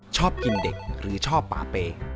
ชอบกินเด็กหรือชอบป่าเป้